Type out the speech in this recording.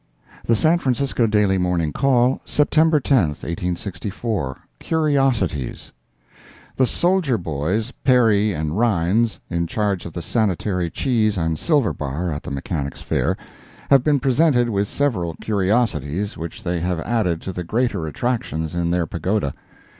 The San Francisco Daily Morning Call, September 10, 1864 CURIOSITIES The soldier boys, Perry and Rines, in charge of the Sanitary Cheese and Silver Bar, at the Mechanics' Fair, have been presented with several curiosities, which they have added to the greater attractions in their pagoda.